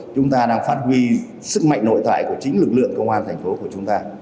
chúng ta đang phát huy sức mạnh nội tải của chính lực lượng công an tp của chúng ta